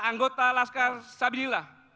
anggota laskar sabinillah